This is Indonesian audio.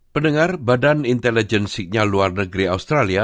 pendengar badan intelijensiknya luar negeri australia